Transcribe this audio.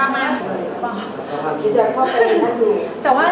ไม่ได้ช่างเพราะว่า